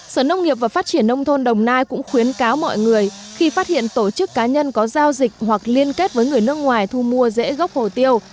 sở nông nghiệp và phát triển nông thôn đồng nai cũng khuyến cáo mọi người khi phát hiện tổ chức cá nhân có giao dịch hoặc liên kết với người nước ngoài thu mua rễ gốc hồ tiêu